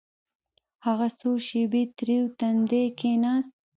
هغه څو شېبې تريو تندى کښېناست.